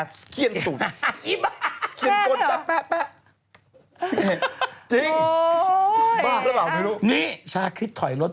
เยียบมากเล่นการเนื้อหน้าท้อง